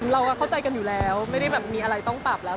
เราเข้าใจกันอยู่แล้วไม่ได้แบบมีอะไรต้องปรับแล้ว